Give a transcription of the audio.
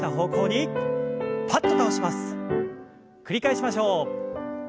繰り返しましょう。